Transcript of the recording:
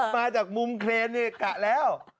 มาจากมุมเครนนี่กะแล้ว